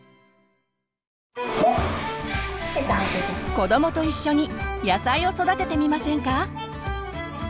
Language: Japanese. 子どもと一緒に野菜を育ててみませんか？